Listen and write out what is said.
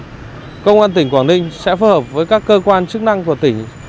vì vậy công an tỉnh quảng ninh sẽ phù hợp với các cơ quan chức năng của tỉnh